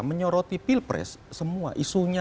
menyoroti pilpres semua isunya